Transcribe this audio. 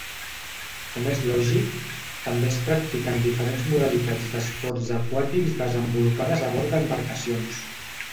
Com és lògic, també es practiquen diferents modalitats d'esports aquàtics desenvolupades a bord d'embarcacions.